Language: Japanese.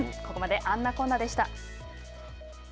ここまで「あんなこんな」でした。